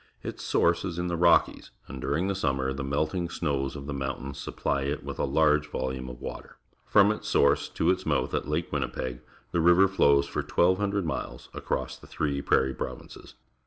Its source is in the Rockies, and during the summer the melting snows of the mountains supply it with a large volume of water. From its source to its mouth at Lake Win nipeg, the river flows for 1,200 miles across the three Prairie Pro\ inces.